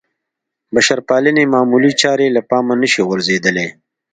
بشرپالنې معمولې چارې له پامه نه شي غورځېدلی.